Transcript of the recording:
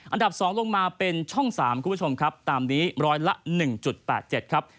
อันดับ๒ลงมาเป็นช่อง๓คุณผู้ชมครับตามนี้ร้อยละ๑๘๗ครับ